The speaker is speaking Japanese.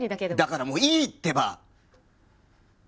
だからもういいってば！